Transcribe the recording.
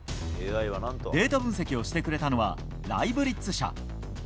データ分析をしてくれたのはライブリッツ社。